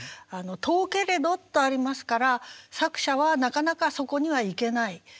「とほけれど」とありますから作者はなかなかそこには行けない。